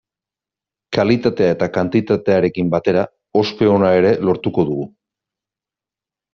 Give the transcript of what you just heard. Kalitatea eta kantitatearekin batera ospe ona ere lortuko dugu.